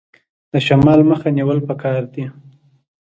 د شمال مخه نیول پکار دي؟